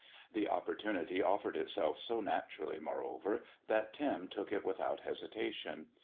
The opportunity offered itself so naturally, moreover, that Tim took it without hesitation.